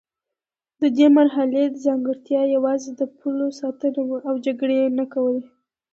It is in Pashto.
د دې مرحلې ځانګړتیا یوازې د پولو ساتنه وه او جګړې یې نه کولې.